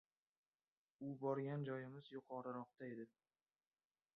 — U borgan joyimiz yuqoriroqda edi.